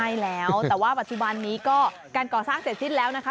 ใช่แล้วแต่ว่าปัจจุบันนี้ก็การก่อสร้างเสร็จสิ้นแล้วนะคะ